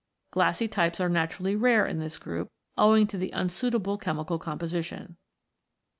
Glassy types are naturally rare in this group, owing to the unsuitable chemical composition.